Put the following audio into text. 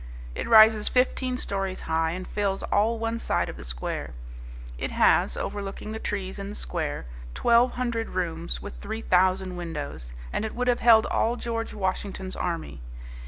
It rises fifteen stories high and fills all one side of the square. It has, overlooking the trees in the square, twelve hundred rooms with three thousand windows, and it would have held all George Washington's army.